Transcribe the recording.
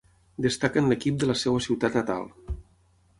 Destaca en l'equip de la seua ciutat natal.